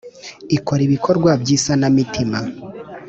Ikora ibikorwa by’ isanamitima.